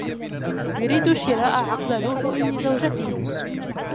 يريد شراء عقد لؤلؤ لزوجته.